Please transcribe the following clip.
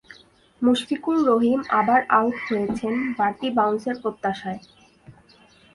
মুশফিকুর রহিম আবার আউট হয়েছেন বাড়তি বাউন্সের প্রত্যাশায়।